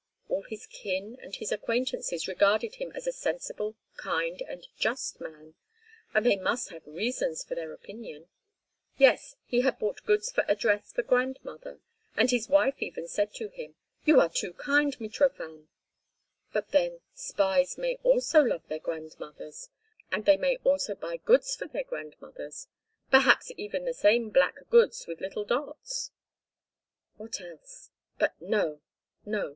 All his kin and his acquaintances regarded him as a sensible, kind and just man—and they must have reasons for their opinion. Yes, he had bought goods for a dress for grandmother, and his wife even said to him: "You are too kind, Mitrofan!" But, then, spies may also love their grandmothers, and they may also buy goods for their grandmothers—perhaps even the same black goods with little dots. What else? But, no, no.